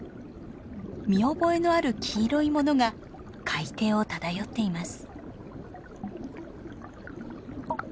見覚えのある黄色いものが海底を漂っています。